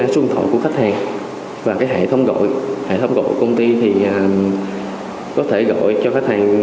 xuân thọ của khách hàng và cái hệ thống gọi hệ thống gọi của công ty thì có thể gọi cho khách hàng